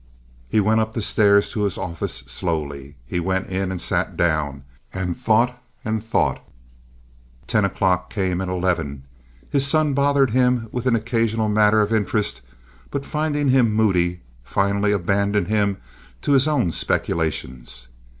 He went up the stairs to his own office slowly. He went in and sat down, and thought and thought. Ten o'clock came, and eleven. His son bothered him with an occasional matter of interest, but, finding him moody, finally abandoned him to his own speculations.